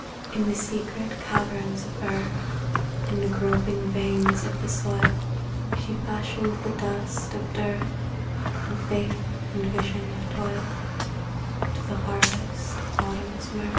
In the secret caverns of earth, In the groping veins of the soil, She fashioned the dust of dearth, In faith and vision of toil, To the harvest of Autumn's mirth.